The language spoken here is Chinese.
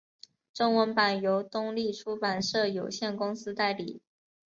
中文版由东立出版社有限公司代理。